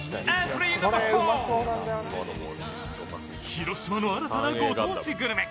広島の新たなご当地グルメ。